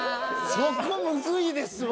そこむずいですわ。